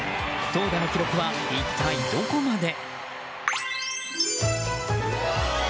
投打の記録は一体どこまで？